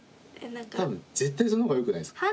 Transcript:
多分絶対そのほうがよくないですか。